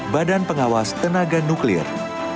badan pengawas tenaga nuklir